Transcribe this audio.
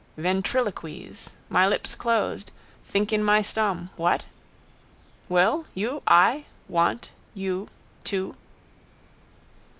Ventriloquise. My lips closed. Think in my stom. What? Will? You? I. Want. You. To.